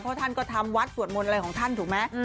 เพราะท่านก็ทำวัดสวดมนต์อะไรของท่านถูกไหม